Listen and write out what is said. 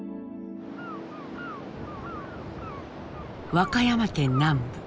和歌山県南部。